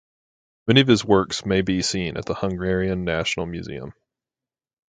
Many of his works may be seen at the Hungarian National Museum.